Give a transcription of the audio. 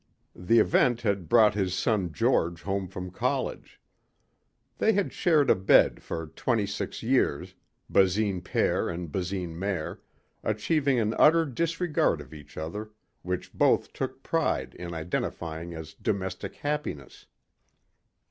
The event had brought his son George home from college. They had shared a bed for twenty six years, Basine père and Basine mère, achieving an utter disregard of each other which both took pride in identifying as domestic happiness.